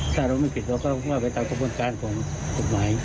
ถ้าเราไม่ผิดเราก็หว่าไปตามข้อมูลการของคุณหมาย